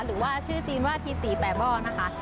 หรือว่าชื่อจีนว่าทีตีแปะบ้อนะคะ